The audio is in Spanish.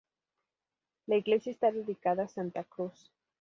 La iglesia está dedicada a Santa Cruz.